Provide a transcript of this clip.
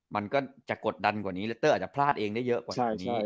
มันก็จะกดดันกว่านี้แล้วเตอร์อาจจะพลาดเองได้เยอะกว่านี้